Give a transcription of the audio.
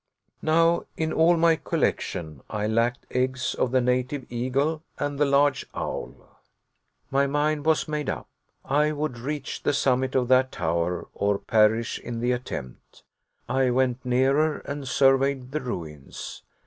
Now, in all my collection, I lacked eggs of the native eagle and the large owl. My mind was made up. I would reach the summit of that tower, or perish in the attempt. I went nearer, and surveyed the ruins.